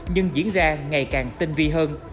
nhưng diễn ra ngày càng tinh vi hơn